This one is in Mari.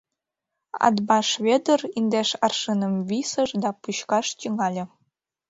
Атбаш Вӧдыр индеш аршыным висыш да пӱчкаш тӱҥале.